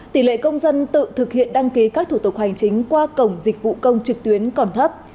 tỷ lệ công dân tự thực hiện đăng ký các thủ tục hành chính qua cổng dịch vụ công trực tuyến còn thấp